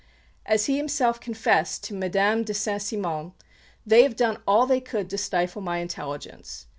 As he himself confessed to Madame de Saint Simon, "They have done all they could to stifle my intelligence.